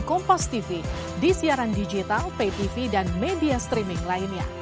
kompastv di siaran digital paytv dan media streaming lainnya